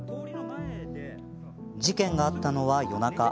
事件があったのは夜中。